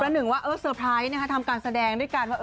ประหนึ่งว่าเออสเตอร์ไพรส์ทำการแสดงด้วยกัน